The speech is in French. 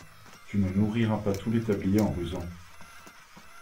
Tu ne nourriras pas tous les tabliers en rusant.